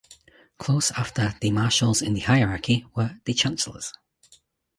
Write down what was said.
Close after the Marshals in the hierarchy were the Chancellors.